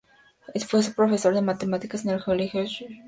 Fue profesor de matemáticas en el Colegio Jesuita de Brera de Milán.